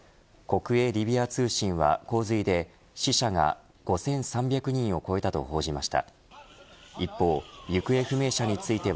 国営リビア通信は、洪水で死者が５３００人を超えたと報じました。